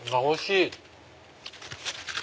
おいしい！